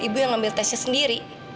tapi ibu gak mau ngambil tesnya sendiri